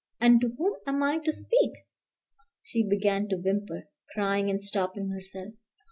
and to whom am I to speak?" She began to whimper, crying and stopping herself.